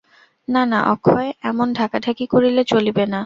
না না অক্ষয়, অমন ঢাকাঢাকি করিলে চলিবে না।